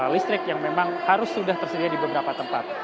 listrik yang memang harus sudah tersedia di beberapa tempat